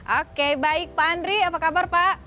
oke baik pak andri apa kabar pak